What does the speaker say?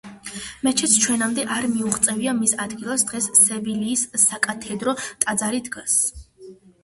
მეჩეთს ჩვენამდე არ მოუღწევია, მის ადგილას დღეს სევილიის საკათედრო ტაძარი დგას.